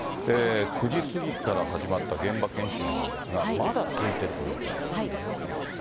９時過ぎから始まった現場検証なんですが、まだ続いているということですね。